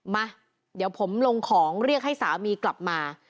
มาเดี๋ยวผมลงของเรียกให้สามีกลับมา